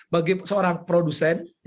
bagi seorang produsen